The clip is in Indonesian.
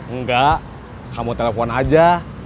enggak kamu telpon aja